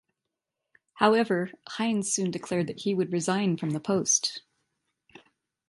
However, Heinze soon declared that he would resign from the post.